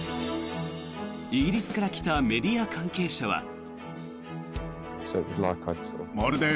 イギリスから来たメディア関係者は。